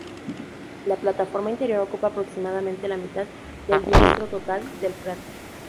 La plataforma interior ocupa aproximadamente la mitad del diámetro total del cráter.